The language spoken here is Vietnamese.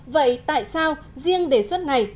vậy tại sao riêng đề xuất này